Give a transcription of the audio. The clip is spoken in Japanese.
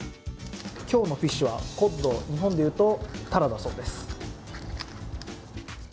今日のフィッシュはコッド、日本でいうと、タラだそうです。